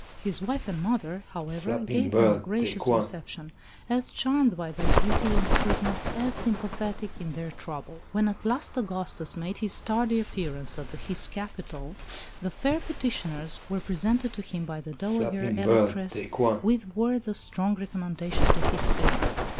His wife and mother, however, gave them a gracious reception, as charmed by their beauty and sweetness as sympathetic in their trouble. When at last Augustus made his tardy appearance at his capital, the fair petitioners were presented to him by the Dowager Electress with words of strong recommendation to his favour.